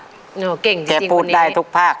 เก่งจริงคนนี้เก็บพูดได้ทุกภาค